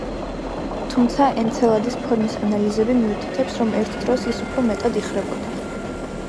თუმცა, ენცელადის ფორმის ანალიზები მიუთითებს, რომ ერთ დროს ის უფრო მეტად იხრებოდა.